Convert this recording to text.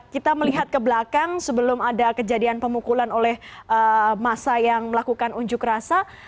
kita melihat ke belakang sebelum ada kejadian pemukulan oleh masa yang melakukan unjuk rasa